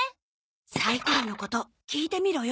サイコロのこと聞いてみろよ。